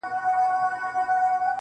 ستا زړه ته خو هر څوک ځي راځي گلي,